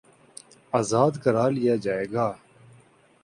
آزاد کرا لیا جائے گا